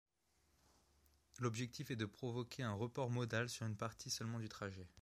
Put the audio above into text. L’objectif est de provoquer un report modal sur une partie seulement du trajet.